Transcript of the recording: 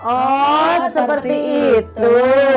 oh seperti itu